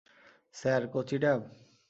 Sir, কঁচি ডাব?